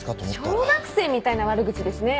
小学生みたいな悪口ですね